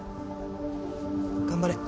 頑張れ。